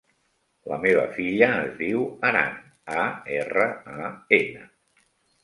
La meva filla es diu Aran: a, erra, a, ena.